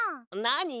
なに？